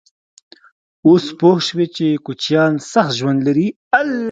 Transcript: _اوس پوه شوې چې کوچيان سخت ژوند لري؟